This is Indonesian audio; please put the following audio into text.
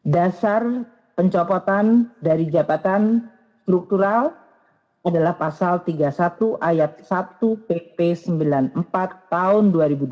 dasar pencopotan dari jabatan struktural adalah pasal tiga puluh satu ayat satu pp sembilan puluh empat tahun dua ribu dua belas